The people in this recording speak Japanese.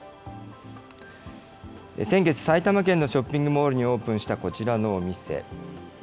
先月、埼玉県のショッピングモールにオープンしたこちらのお店。